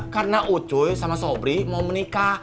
karena ucuy sama sobri mau menikah